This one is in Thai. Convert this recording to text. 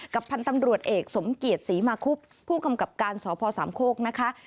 พันธุ์ตำรวจเอกสมเกียรติศรีมาคุบผู้กำกับการสพสามโคกนะคะ